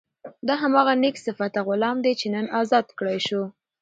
دا هماغه نېک صفته غلام دی چې نن ازاد کړای شو.